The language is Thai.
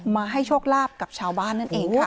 มาให้โชคลาภกับชาวบ้านนั่นเองค่ะ